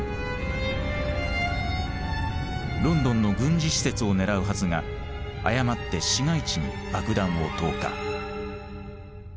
ロンドンの軍事施設を狙うはずが誤って市街地に爆弾を投下。